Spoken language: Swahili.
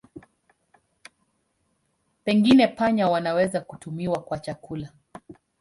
Pengine panya wanaweza kutumiwa kwa chakula.